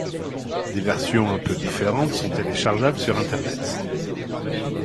Des versions un peu différentes sont téléchargeables sur Internet.